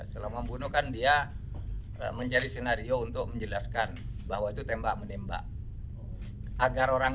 setelah membunuh kan dia mencari senario untuk menjelaskan bahwa itu tembak menembak agar orang